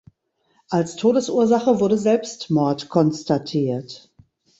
Als Todesursache wurde Selbstmord konstatiert.